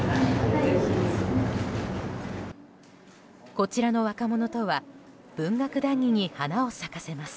こちらの若者とは文学談議に花を咲かせます。